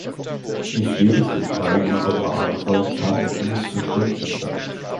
Nicht jedes Detail unserer Arbeit kann und muss verständlich sein.